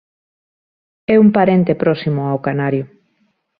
É un parente próximo ao canario.